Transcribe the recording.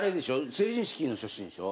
成人式の写真でしょう？